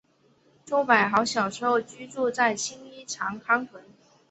周柏豪小时候居住在青衣长康邨。